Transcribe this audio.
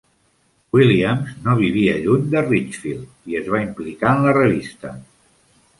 Williams no vivia lluny de Ridgefield, i es va implicar en la revista.